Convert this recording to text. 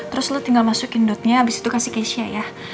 terus lo tinggal masukin dotnya abis itu kasih cashya ya